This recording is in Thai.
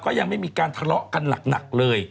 ก็ยังไม่มีการทะเลาะกันหนักเลย